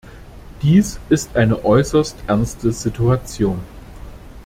Dies ist eine äußerst ernste Situation.